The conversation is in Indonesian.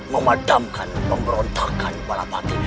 memadamkan pemberontakan balapati